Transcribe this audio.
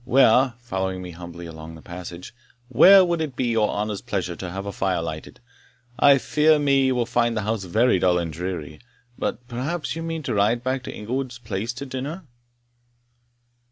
Where" following me humbly along the passage "where would it be your honour's pleasure to have a fire lighted? I fear me you will find the house very dull and dreary But perhaps you mean to ride back to Inglewood Place to dinner?"